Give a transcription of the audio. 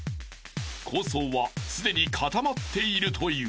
［構想はすでに固まっているという］